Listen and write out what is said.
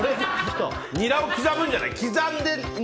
ニラを刻むんじゃない？